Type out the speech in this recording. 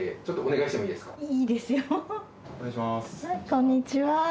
こんにちは。